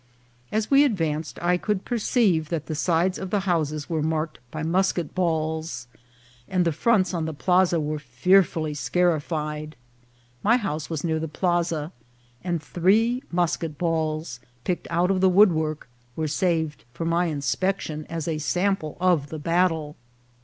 As we advanced I could per ceive that the sides of the houses were marked by mus ket balls, and the fronts on the plaza were fearfully scarified. My house was near the plaza, and three musket balls, picked out of the woodwork, were saved for my inspection, as a sample of the battle.